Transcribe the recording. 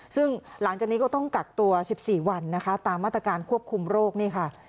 ซึ่งหลังจากนี้ก็ต้องกักตัว๑๔วันนะคะตามมาตรการควบคุมโรคนี่ค่ะ